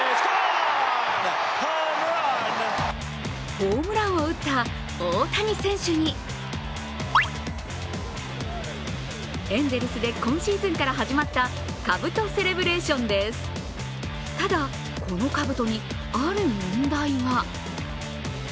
ホームランを打った大谷選手にエンゼルスで今シーズンから始まった、かぶとセレブレーションですただ、このかぶとに、ある問題が。